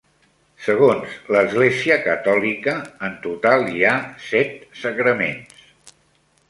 Segons l'Església catòlica, en total hi ha set sagraments.